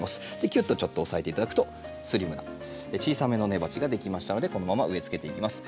きゅっとちょっと押さえて頂くとスリムな小さめの根鉢ができましたのでこのまま植えつけていきます。